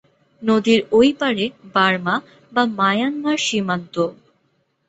নদীর ঐ পাড়ে বার্মা বা মায়ানমার সীমান্ত।